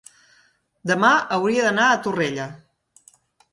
Demà hauria d'anar a Torrella.